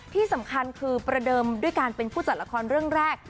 ที่สำคัญคือประเดิมด้วยการเป็นผู้จัดละครเรื่องแรก